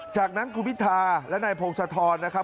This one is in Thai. จากนั้นคุณพิธาและนายพงศธรนะครับ